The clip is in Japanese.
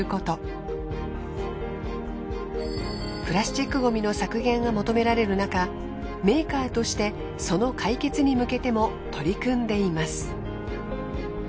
プラスチックゴミの削減が求められるなかメーカーとしてその解決に向けても取り組んでいます。